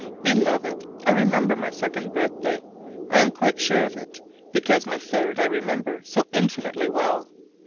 Beloved: I remember my second birthday. I am quite sure of it, because my third I remember so infinitely well.